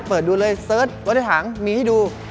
เปิดดูเลยเซิร์ชรถถ่างมีให้ดู